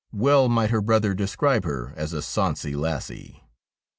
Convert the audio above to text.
Well might her brother describe her as a ' sonsie lassie.'